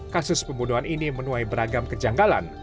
kasus pembunuhan ini menuai beragam kejanggalan